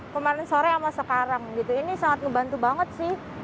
kemarin sore sama sekarang ini sangat ngebantu banget sih